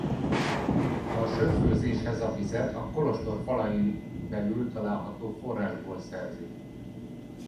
A sörfőzéshez a vizet a kolostor falain belül található forrásból szerzik.